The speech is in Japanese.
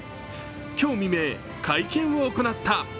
今日未明、会見を行った。